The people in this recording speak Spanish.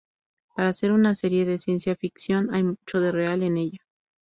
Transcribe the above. Para ser una serie de ciencia ficción, hay mucho de real en ella"".